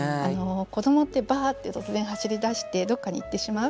子どもってばって突然走りだしてどっかに行ってしまう。